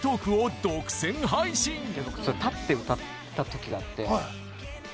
僕それ立って歌った時があって。